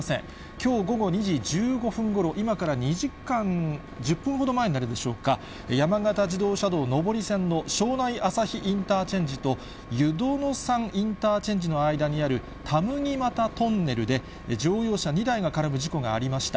きょう午後２時１５分ごろ、今から２時間１０分ほど前になるでしょうか、山形自動車道上り線の庄内あさひインターチェンジと湯殿山インターチェンジの間にある、田麦俣トンネルで、乗用車２台が絡む事故がありました。